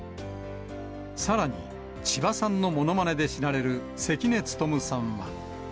さらに、千葉さんのものまねで知られる関根勤さんは。